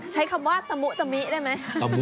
ใช้คำว่าสมุสมิได้ไหม